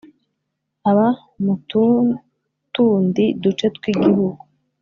aba mututundi duce tw’ igihugu .